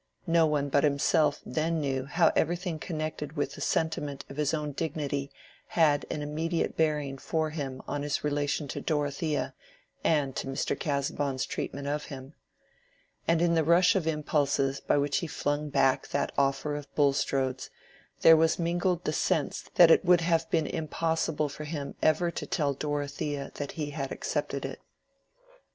No one but himself then knew how everything connected with the sentiment of his own dignity had an immediate bearing for him on his relation to Dorothea and to Mr. Casaubon's treatment of him. And in the rush of impulses by which he flung back that offer of Bulstrode's there was mingled the sense that it would have been impossible for him ever to tell Dorothea that he had accepted it.